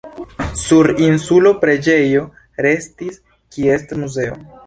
Sur insulo preĝejo restis, kie estas muzeo.